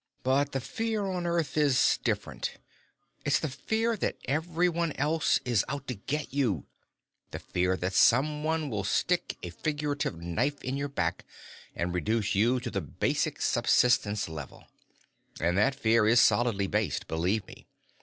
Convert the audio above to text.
"But the fear on Earth is different. It's the fear that everyone else is out to get you, the fear that someone will stick a figurative knife in your back and reduce you to the basic subsistence level. And that fear is solidly based, believe me.